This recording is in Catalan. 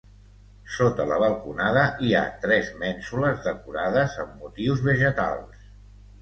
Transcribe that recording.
Sota la balconada hi ha tres mènsules decorades amb motius vegetals.